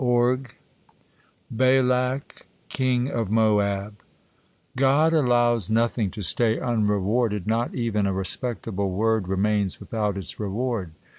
BALAK, KING OF MOAB "God allows nothing to stay unrewarded, not even a respectable word remains without its reward."